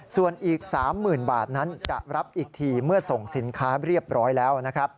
ส่วนอีก๓๐๐๐บาทนั้นจะรับอีกทีเมื่อส่งสินค้าเรียบร้อยแล้วนะครับ